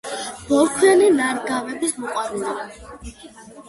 ბოლქვიანი ნარგავების მოყვარულია.